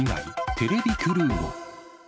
テレビクルーも。